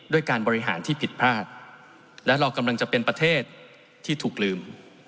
การบริหารที่ผิดพลาดและเรากำลังจะเป็นประเทศที่ถูกลืม